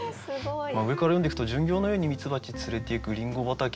上から読んでいくと「巡業のようにミツバチつれてゆくリンゴ畑へ」